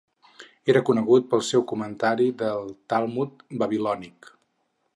Era conegut pel seu comentari del Talmud babilònic.